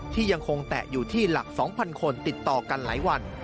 ที่ยังคงแตะอยู่ที่หลัก๒๐๐คนติดต่อกันหลายวัน